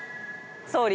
総理。